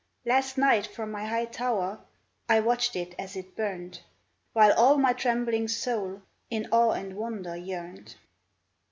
" Last night from my high tower I watched it as it burned, While all my trembling soul In awe and wonder yearned.